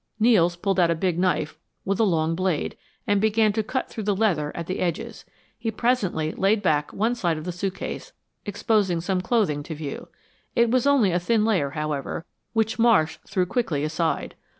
Nels pulled out a big knife, with a long blade, and began to cut through the leather at the edges. He presently laid back one side of the suitcase, exposing some clothing to view. It was only a thin layer, however, which Marsh threw quickly aside.